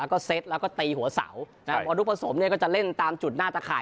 ก็เซ็ตแล้วก็ตีหัวเสาร์ใช่ครับบอลรุกผสมเนี้ยก็จะเล่นตามจุดน่าจะขายอ่ะ